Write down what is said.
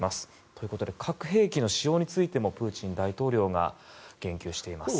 ということで核兵器の使用についてもプーチン大統領が言及しています。